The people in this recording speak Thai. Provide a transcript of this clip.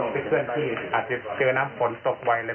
ผู้ที่อาจจะเจอน้ำผลตกไว้อะไรแบบนี้